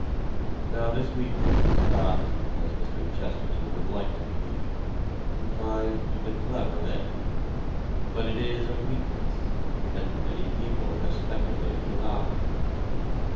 Now this weakness is not, as Mr. Chesterton would like to believe, confined to the clever men. But it is a weakness, and many people have speculated about it.